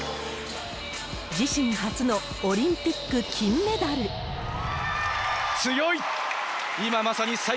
自身初のオリンピック金メダル。